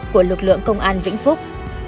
của lực lượng công an vĩnh phúc